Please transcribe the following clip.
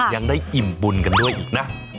ยังได้อิ่มบุญกันด้วยอีกนะ